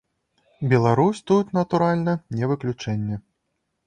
Беларусь тут, натуральна, не выключэнне.